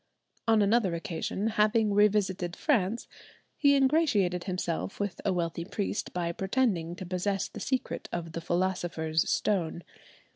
On another occasion, having revisited France, he ingratiated himself with a wealthy priest by pretending to possess the secret of the philosopher's stone.